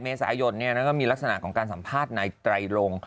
เมษายนก็มีลักษณะของการสัมภาษณ์นายไตรลง